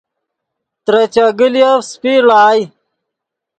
ترے چیگلیف سیپی ڑائے